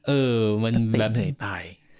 เออมันแบบเหนื่อยตาย